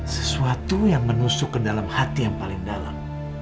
sesuatu yang menusuk ke dalam hati yang paling dalam